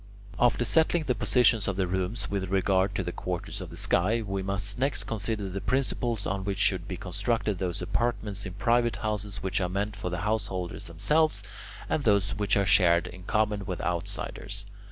After settling the positions of the rooms with regard to the quarters of the sky, we must next consider the principles on which should be constructed those apartments in private houses which are meant for the householders themselves, and those which are to be shared in common with outsiders.